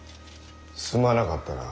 すまなかったな。